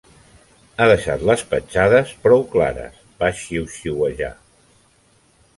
"Ha deixat les petjades prou clares", va xiuxiuejar.